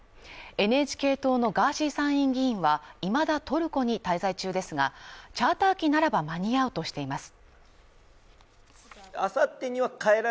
ＮＨＫ党のガーシー参院議員は今だトルコに滞在中ですが、チャーター機ならば間に合うとしています。